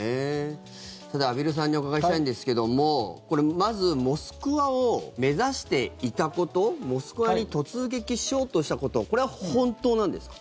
さて、畔蒜さんにお伺いしたいんですけどもこれ、まずモスクワを目指していたことモスクワに突撃しようとしたことこれは本当なんですか？